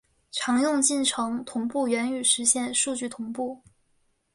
常用进程同步原语实现数据同步。